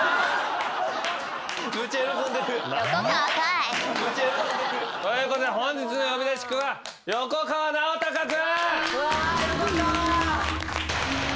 むっちゃ喜んでる。ということで本日の呼び出しクンは横川尚隆君！